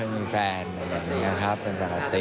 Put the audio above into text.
มีแฟนอย่างนี้นะครับ